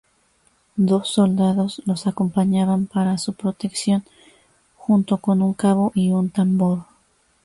Dos soldados los acompañaban para su protección, junto con un cabo y un tambor.